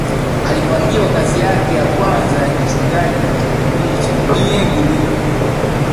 alipangiwa kazi yake ya kwanza ya kichungaji katika kijiji cha niegowiic